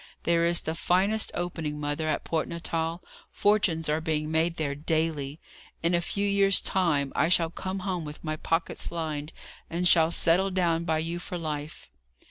There is the finest opening, mother, at Port Natal! Fortunes are being made there daily. In a few years' time I shall come home with my pockets lined, and shall settle down by you for life."